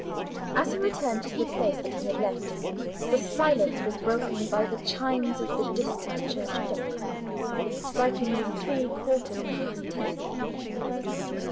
As he returned to the place that he had left, the silence was broken by the chimes of the distant church clock, striking the three quarters past ten.